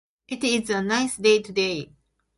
It is a nice day today.